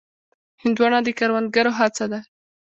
هندوانه د کروندګرو هڅه ده.